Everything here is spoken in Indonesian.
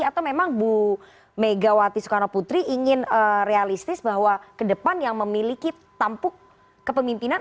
atau memang bu megawati soekarno putri ingin realistis bahwa ke depan yang memiliki tampuk kepemimpinan